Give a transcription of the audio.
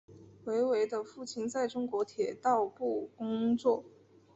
韦唯的父亲在中国铁道部工作。